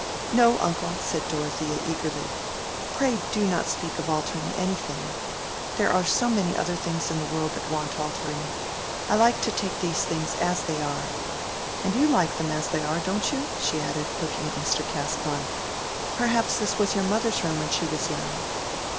"No, uncle," said Dorothea, eagerly. "Pray do not speak of altering anything. There are so many other things in the world that want altering—I like to take these things as they are. And you like them as they are, don't you?" she added, looking at Mr. Casaubon. "Perhaps this was your mother's room when she was young."